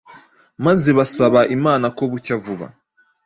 maze basaba Imana ko bucya vuba